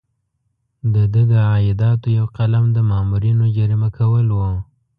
د ده د عایداتو یو قلم د مامورینو جریمه کول وو.